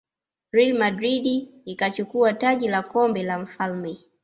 real madrid ikachukua taji la kombe la mfalme